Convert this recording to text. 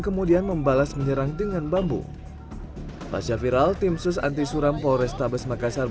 kemudian membalas menyerang dengan bambu pasca viral timsus anti suram polres tabes makassar